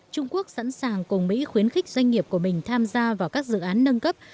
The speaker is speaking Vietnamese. trung quốc sẵn sàng cùng mỹ khuyến khích doanh nghiệp của mình tham gia vào các dự án nâng cấp